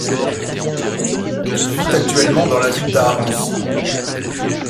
Il vit actuellement dans la ville d'Århus.